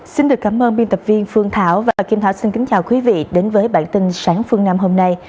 xin được cảm ơn biên tập viên phương thảo và kim thảo xin kính chào quý vị đến với bản tin sáng phương nam hôm nay